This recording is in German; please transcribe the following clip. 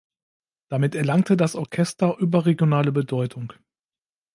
Damit erlangte das Orchester überregionale Bedeutung.